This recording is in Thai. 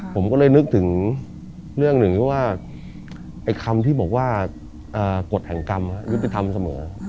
ผมก็เลยนึกถึงเรื่องหนึ่งว่าไอ้คำที่บอกว่ากฎแห่งกรรมยุติธรรมเสมอ